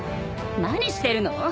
何してるの？